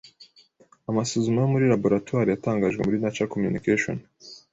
Amasuzuma yo muri laboratoire yatagajwe muri Nature Communications